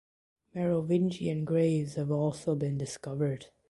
Merovingian graves have also been discovered.